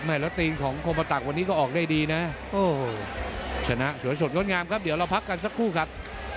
แล้วตีนของโคปะตักวันนี้ก็ออกได้ดีนะโอ้โหชนะสวยสดงดงามครับเดี๋ยวเราพักกันสักครู่ครับ